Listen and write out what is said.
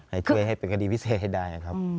ให้ช่วยให้เป็นคดีพิเศษให้ได้ครับ